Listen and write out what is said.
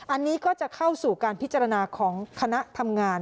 อันนี้ก็จะเข้าสู่การพิจารณาของคณะทำงาน